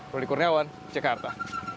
roly kurniawan jakarta